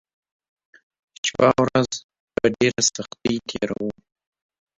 شپه او ورځ په ډېره سختۍ تېروو